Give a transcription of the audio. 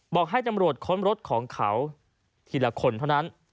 บอกให้ตำรวจค้นรถของเขาทีละคนเท่านั้น